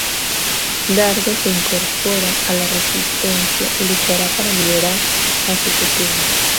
Dardo se incorpora a la resistencia y luchará para liberar a su pequeño.